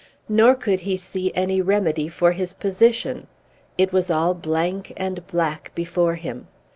Nor could he see any remedy for his position. It was all blank and black before him.